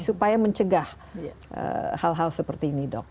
supaya mencegah hal hal seperti ini dok